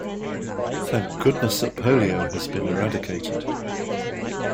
Thank goodness that polio has been eradicated.